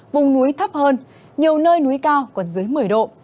vùng núi thấp hơn nhiều nơi núi cao còn dưới một mươi độ